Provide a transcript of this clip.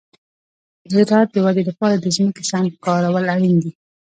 د زراعت د ودې لپاره د ځمکې سم کارول اړین دي.